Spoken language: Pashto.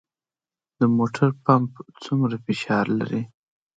د موټر پمپ څومره فشار لري؟